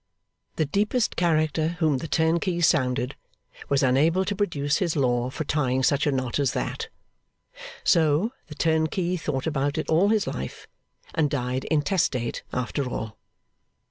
The deepest character whom the turnkey sounded, was unable to produce his law for tying such a knot as that. So, the turnkey thought about it all his life, and died intestate after all.